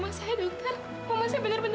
masa kritisnya sudah lewat